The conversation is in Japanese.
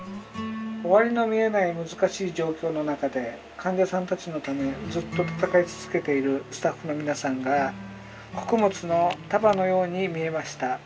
「終わりの見えない難しい状況の中で患者さんたちのためずーっと闘い続けているスタッフの皆さんが穀物の束のように見えました」。